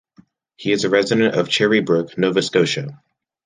He is a resident of Cherry Brook, Nova Scotia.